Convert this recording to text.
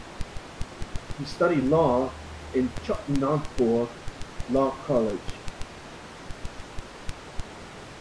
He studied Law in Chotanagpur Law College.